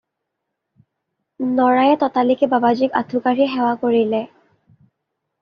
নৰায়ে ততালিকে বাবাজীক আঠু কাঢ়ি সেৱা কৰিলে।